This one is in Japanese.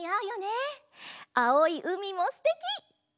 あおいうみもすてき！